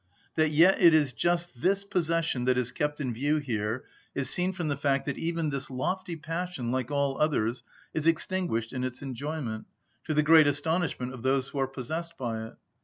That yet it is just this possession that is kept in view here is seen from the fact that even this lofty passion, like all others, is extinguished in its enjoyment—to the great astonishment of those who are possessed by it.